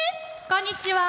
こんにちは！